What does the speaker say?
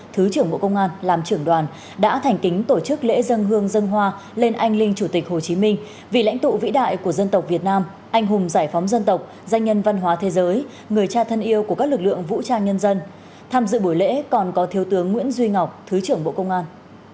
thứ trưởng bộ công an làm trưởng đoàn đã thành kính tổ chức lễ dân hương dân hoa lên anh linh chủ tịch hồ chí minh vị lãnh tụ vĩ đại của dân tộc việt nam anh hùng giải phóng dân tộc danh nhân văn hóa thế giới người cha thân yêu của các lực lượng vũ trang nhân dân tham dự buổi lễ còn có thiếu tướng nguyễn duy ngọc thứ trưởng bộ công an